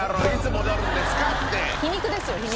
皮肉ですよ皮肉。